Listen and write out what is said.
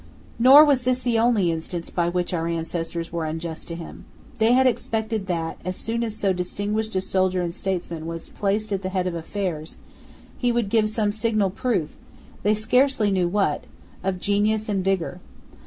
Nor was this the only instance in which our ancestors were unjust to him. They had expected that, as soon as so distinguished a soldier and statesman was placed at the head of affairs, he would give some signal proof, they scarcely knew what, of genius and vigour.